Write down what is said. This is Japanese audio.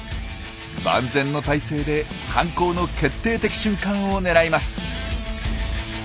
万全の態勢で犯行の決定的瞬間を狙います。